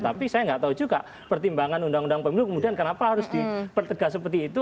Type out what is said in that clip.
tapi saya nggak tahu juga pertimbangan undang undang pemilu kemudian kenapa harus dipertegas seperti itu